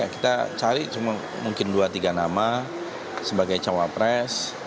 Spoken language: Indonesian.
kita cari cuma mungkin dua tiga nama sebagai cawapres